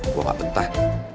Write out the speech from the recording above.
gue gak pentah